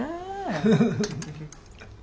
フフフフ。